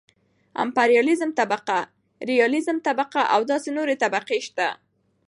امپرياليزم طبقه ،رياليزم طبقه او داسې نورې طبقې شته .